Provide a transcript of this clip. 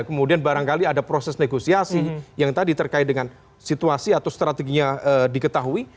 kemudian barangkali ada proses negosiasi yang tadi terkait dengan situasi atau strateginya diketahui